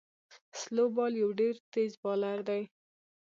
سلو بال یو ډول تېز بالر دئ.